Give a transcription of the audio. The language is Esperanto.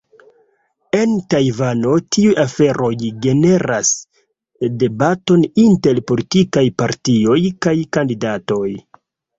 En Tajvano, tiuj aferoj generas debaton inter politikaj partioj kaj kandidatoj.